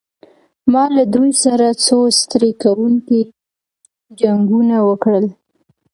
ما له دوی سره څو ستړي کوونکي جنګونه وکړل.